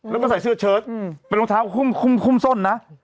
แล้วก็ใส่เสื้อเชิดเป็นรองเท้าหุ้มส้นนะ